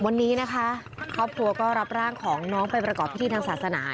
วันนี้นะคะครอบครัวก็รับร่างของน้องไปประกอบพิธีทางศาสนา